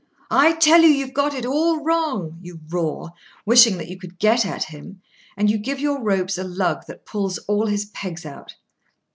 "I tell you you've got it all wrong!" you roar, wishing that you could get at him; and you give your ropes a lug that pulls all his pegs out.